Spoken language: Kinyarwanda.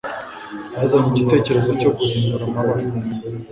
yazanye igitekerezo cyo guhindura amabara